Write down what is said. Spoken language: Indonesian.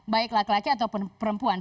baik laki laki ataupun perempuan